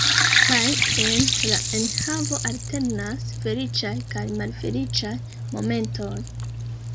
Kaj en la enhavo alternas feliĉaj kaj malfeliĉaj momentoj.